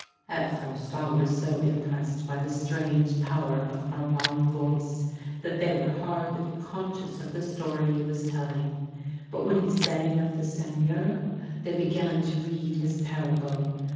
" At first, all were so impressed by the strange power of Parpen's voice, that they were hardly conscious of the story he was telling. But when he sang of the Seigneur they began to read his parable.